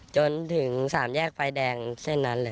จะถึงสามแยกไฟแดงเส้นนั้น